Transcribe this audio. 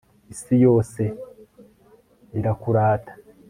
isi yose irakurata